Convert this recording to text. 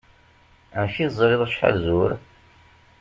Amek i teẓriḍ acḥal zur?